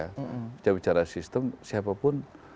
kita bicara sistem siapapun